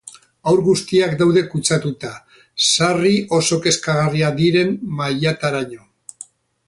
Haur guztiak daude kutsatuta, sarri oso kezkagarriak diren mailataraino.